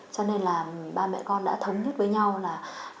cho nên là ba mẹ con đã thống nhất với nhau là